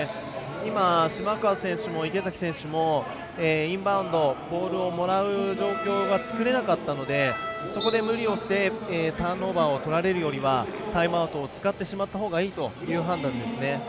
島川選手も池崎選手もインバウンドボールをもらう状況が作れなかったのでそこで無理をしてターンオーバーをとられるよりはタイムアウトを使ってしまったほうがいいという判断ですね。